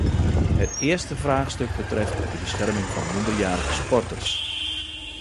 Het eerste vraagstuk betreft de bescherming van minderjarige sporters.